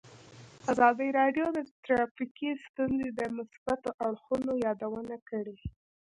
ازادي راډیو د ټرافیکي ستونزې د مثبتو اړخونو یادونه کړې.